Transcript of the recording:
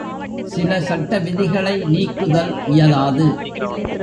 சில சட்ட விதிகளை நீக்குதல் இயலாது.